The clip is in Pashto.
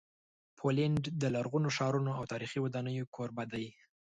پولینډ د لرغونو ښارونو او تاریخي ودانیو کوربه دی.